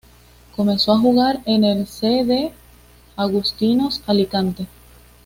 Comenzó a jugar en el C. D. Agustinos Alicante.